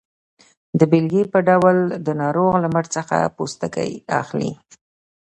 د بیلګې په ډول د ناروغ له مټ څخه پوستکی اخلي.